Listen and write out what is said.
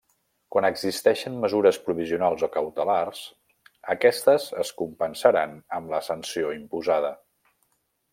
Quan existeixin mesures provisionals o cautelars, aquestes es compensaran amb la sanció imposada.